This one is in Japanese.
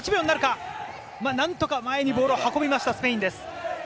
何とか前にボールを運びました、スペインです。